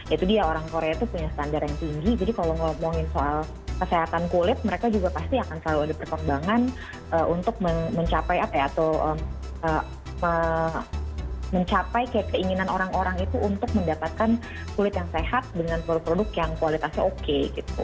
itu dia orang korea itu punya standar yang tinggi jadi kalau ngomongin soal kesehatan kulit mereka juga pasti akan selalu ada perkembangan untuk mencapai apa ya atau mencapai keinginan orang orang itu untuk mendapatkan kulit yang sehat dengan produk produk yang kualitasnya oke gitu